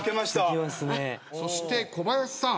そして小林さん。